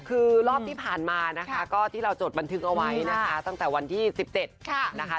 คือรอบที่ผ่านมานะคะก็ที่เราจดบันทึกเอาไว้นะคะตั้งแต่วันที่๑๗นะคะ